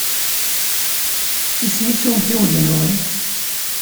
Isem-nnes umtiweg-nwen?